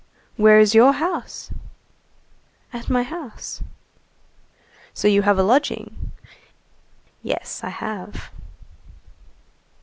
"Where's your house?" "At my house." "So you have a lodging?" "Yes, I have."